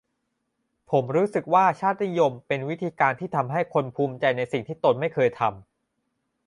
ผมรู้สึกว่าชาตินิยมเป็นวิธีการที่ทำให้คนภูมิใจในสิ่งที่ตนไม่เคยทำ